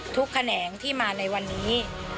แขนงที่มาในวันนี้